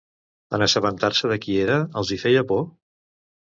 En assabentar-se de qui era, els hi feia por?